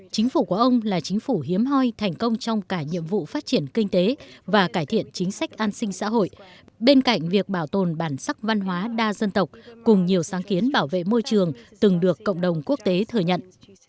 chính phủ của ông là chính phủ hiếm hoi thành công trong cả nhiệm vụ phát triển kinh tế và cải thiện chính sách an sinh xã hội bên cạnh việc bảo tồn bản sắc văn hóa đa dân tộc cùng nhiều sáng kiến bảo vệ môi trường từng được cộng đồng quốc tế thừa nhận